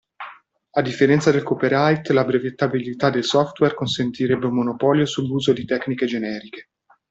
A differenza del copyright la brevettabilità del software consentirebbe un monopolio sull'uso di tecniche generiche.